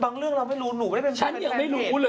บางเรื่องเราไม่รู้หนูที่เป็นแฟนเพจ